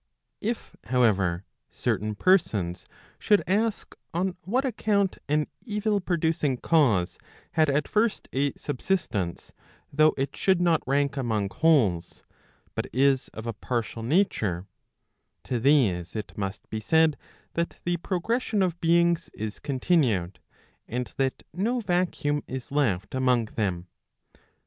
If however, certain persons should ask on what account an evil producing cause had at first a subsistence, though it should not rank among wholes, but is of a partial nature, to these it must be said, that the progression of beings is continued, and that no vacuum is left among them.